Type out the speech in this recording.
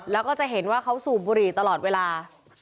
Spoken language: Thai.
แล้วก็จะเห็นว่าเขาสูบบุหรี่ตลอดเวลา